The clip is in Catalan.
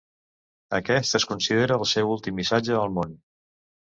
Aquest es considera el seu últim missatge al món.